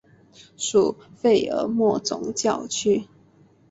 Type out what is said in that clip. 属费尔莫总教区。